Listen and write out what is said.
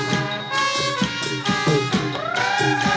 โอ้โหโอ้โหโอ้โหโอ้โห